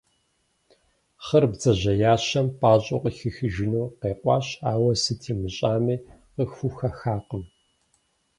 Хъыр бдзэжьеящэм пӏащӏэу къыхихыжыну къекъуащ, ауэ сыт имыщӏами, къыхухэхакъым.